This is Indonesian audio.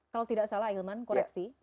kalau tidak salah hilman koreksi